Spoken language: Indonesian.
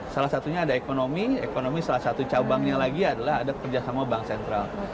salah satunya ada ekonomi ekonomi salah satu cabangnya lagi adalah ada kerjasama bank sentral